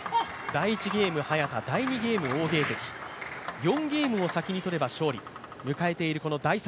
第１ゲーム、早田、第２ゲーム、王ゲイ迪、４ゲームを先に取れば勝利迎えている第３